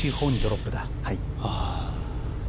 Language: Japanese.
はい。